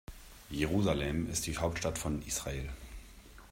Jerusalem ist die Hauptstadt von Israel.